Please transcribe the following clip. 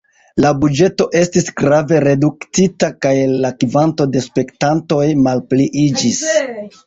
La buĝeto estis grave reduktita kaj la kvanto de spektantoj malpliiĝis.